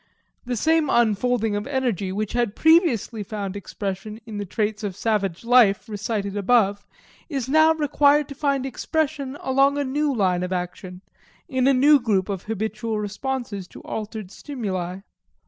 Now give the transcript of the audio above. The same unfolding of energy, which had previously found expression in the traits of savage life recited above, is now required to find expression along a new line of action, in a new group of habitual responses to altered stimuli.